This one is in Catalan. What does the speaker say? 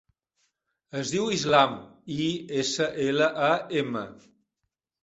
Es diu Islam: i, essa, ela, a, ema.